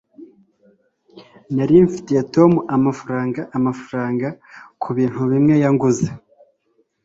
nari mfitiye tom amafaranga amafaranga kubintu bimwe yanguze